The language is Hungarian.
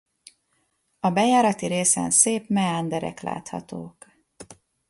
A bejárati részen szép meanderek láthatók.